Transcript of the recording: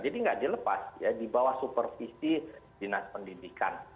nggak dilepas ya di bawah supervisi dinas pendidikan